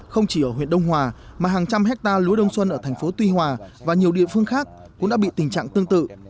không chỉ ở huyện đông hòa mà hàng trăm hectare lúa đông xuân ở thành phố tuy hòa và nhiều địa phương khác cũng đã bị tình trạng tương tự